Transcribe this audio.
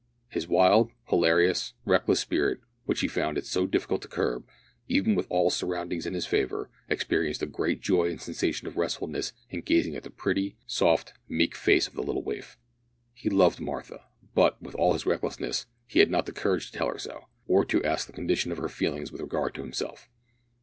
His wild, hilarious, reckless spirit, which he found it so difficult to curb, even with all surroundings in his favour, experienced a great joy and sensation of restfulness in gazing at the pretty, soft, meek face of the little waif. He loved Martha, but, with all his recklessness, he had not the courage to tell her so, or to ask the condition of her feelings with regard to himself.